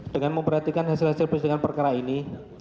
dengan memperhatikan hasil hasil persidangan perkara ini